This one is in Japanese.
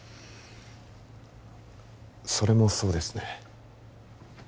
それもそうですね